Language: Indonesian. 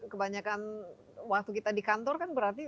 kebanyakan waktu kita di kantor kan berarti